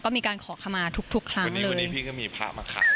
ก็มีการขอขมาทุกครั้งเลยวันนี้พี่ก็มีพระมาข่าย